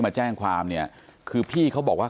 เพราะว่าแม่เป็นคนที่ติดเหล้ามา